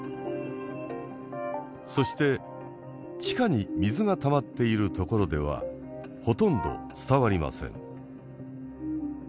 そして地下に水がたまっている所ではほとんど伝わりません。